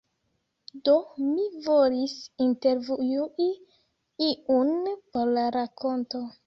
Do, mi volis intervjui iun por la rakonto.